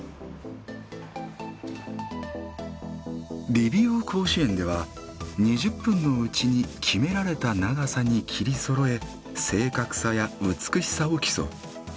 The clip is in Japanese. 理美容甲子園では２０分のうちに決められた長さに切りそろえ正確さや美しさを競う。